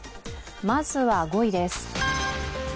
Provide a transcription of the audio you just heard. まずは５位です。